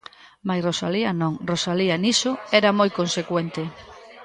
Mais Rosalía non, Rosalía niso era moi consecuente.